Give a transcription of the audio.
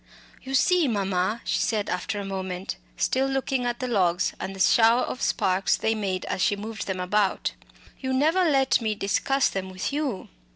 "You see, mamma," she said after a moment, still looking at the logs and the shower of sparks they made as she moved them about, "you never let me discuss them with you."